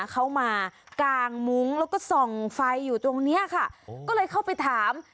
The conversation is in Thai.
เขามากางมุ้งแล้วก็ส่องไฟอยู่ตรงเนี้ยค่ะก็เลยเข้าไปถาม